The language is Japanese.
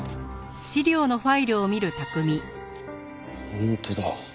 本当だ。